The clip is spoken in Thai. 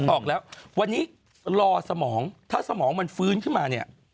ออกแล้ววันนี้รอสมองถ้าสมองฟื้นขึ้นมา